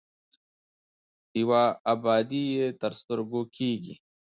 یوه ابادي یې تر سترګو کېږي.